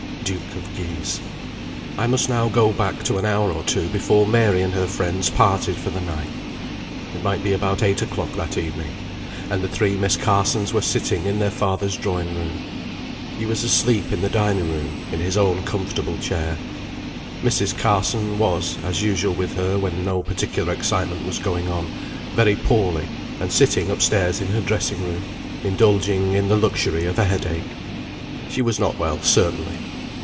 DUKE OF GUISE. I must now go back to an hour or two before Mary and her friends parted for the night. It might be about eight o'clock that evening, and the three Miss Carsons were sitting in their father's drawing room. He was asleep in the dining room, in his own comfortable chair. Mrs. Carson was (as was usual with her, when no particular excitement was going on) very poorly, and sitting up stairs in her dressing room, indulging in the luxury of a head ache. She was not well, certainly.